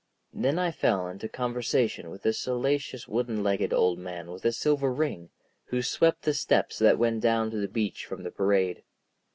Then I fell into conversation with a salacious wooden legged old man with a silver ring, who swept the steps that went down to the beach from the parade.